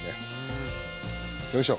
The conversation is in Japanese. よいしょ。